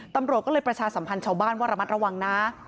ตำรวจก็เลยประชาสัมพันธ์ชาวบ้านว่าระมัดระวังนะ